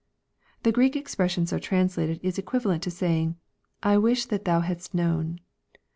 l The Q reek expression so translated is equivalent to saying, " I wish that thou hadst known."